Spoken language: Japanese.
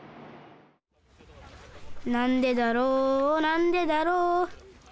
「なんでだろうなんでだろう」